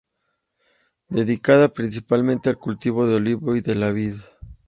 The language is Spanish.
Dedicada principalmente al cultivo del olivo y de la vid.